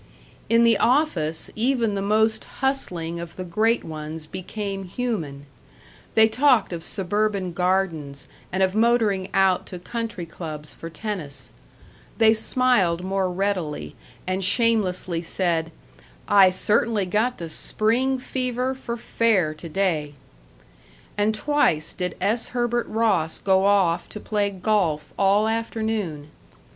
In the office even the most hustling of the great ones became human. They talked of suburban gardens and of motoring out to country clubs for tennis. They smiled more readily, and shamelessly said, "I certainly got the spring fever for fair to day"; and twice did S. Herbert Ross go off to play golf all afternoon.